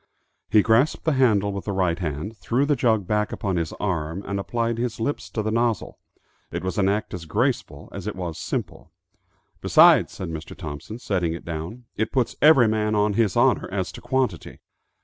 He grasped the handle with the right hand, threw the jug back upon his arm, and applied his lips to the nozzle. It was an act as graceful as it was simple. "Besides," said Mr. Thompson, setting it down, "it puts every man on his honor as to quantity."